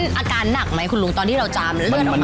ตอนนั้นอาการหนักไหมขุนลุงตอนที่เราจามในเลือดออกมา